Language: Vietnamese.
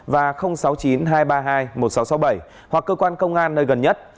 và sáu mươi chín hai trăm ba mươi hai một nghìn sáu trăm sáu mươi bảy hoặc cơ quan công an nơi gần nhất